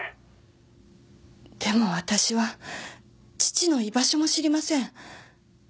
でもわたしは父の居場所も知りません。